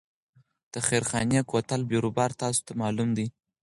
د خیرخانې کوتل بیروبار تاسو ته معلوم دی.